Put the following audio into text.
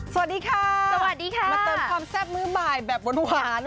สวัสดีค่ะสวัสดีค่ะมาเติมความแซ่บมื้อบ่ายแบบหวาน